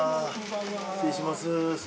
失礼します